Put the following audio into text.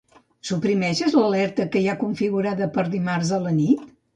Suprimeixes l'alerta que hi ha configurada per dimarts a la nit?